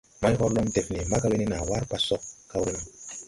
Maihorlong def nee mbaga we ne naa ʼwar pa so kawre no.